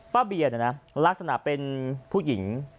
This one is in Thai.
ป้าเบียลักษณะเป็นผู้หญิง